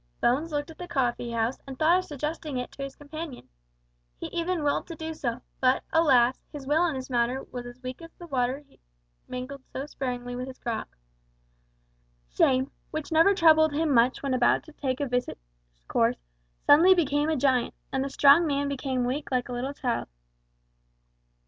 Bones looked at the coffee house, and thought of suggesting it to his companion. He even willed to do so, but, alas! his will in this matter was as weak as the water which he mingled so sparingly with his grog. Shame, which never troubled him much when about to take a vicious course, suddenly became a giant, and the strong man became weak like a little child.